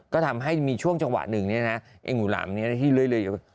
ก็ทำให้มีช่วงจังหวะหนึ่งเนี่ยนะไอ้งูหลามนี้ที่เลื้อยอยู่